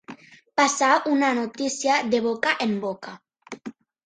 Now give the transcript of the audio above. Passar, una notícia, de boca en boca.